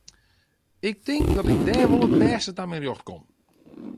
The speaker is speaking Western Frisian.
Ik tink dat ik dêr wol it bêste ta myn rjocht kom.